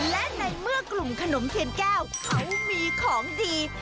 และในเมื่อกลุ่มขนมเทียนแก้วเขามีของดี